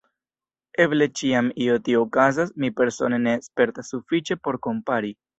Eble ĉiam io tia okazas, mi persone ne spertas sufiĉe por kompari.